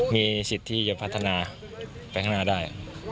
มีสิทธิ์ที่จะพัฒนาไปข้างหน้าได้